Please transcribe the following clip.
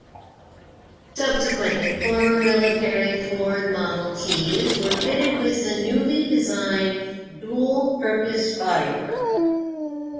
Subsequently, former military Ford Model Ts were fitted with the newly designed dual-purpose bodywork.